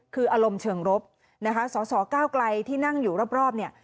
คืออารมณ์เชิงรบนะคะสสก้าวไกลที่นั่งอยู่รอบเนี่ย